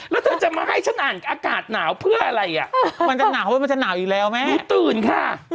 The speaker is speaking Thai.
ฟังฉันอ่านข่าวก็ไม่ได้ปิดกิน